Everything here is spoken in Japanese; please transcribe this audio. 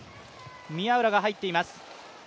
宮浦が入っています。